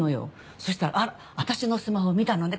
そしたら「あら私のスマホを見たのね！？